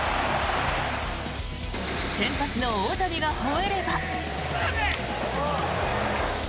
先発の大谷がほえれば。